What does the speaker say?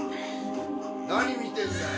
何見てんだよ。